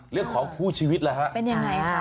เรื่องของคู่ชีวิตล่ะฮะเป็นยังไงฮะ